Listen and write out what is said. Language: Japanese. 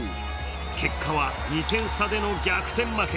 結果は２点差での逆転負け。